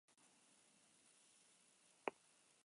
Leku eta pisu asko hartu gabe.